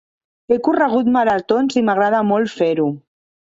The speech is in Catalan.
He corregut maratons i m'agrada molt fer-ho.